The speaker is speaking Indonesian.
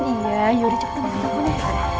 iya yaudah cepet dong angkat tombol ya